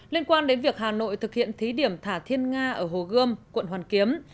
liên quan đến việc hà nội thực hiện thí điểm thả thiên nga ở hồ gươm quận hoàn kiếm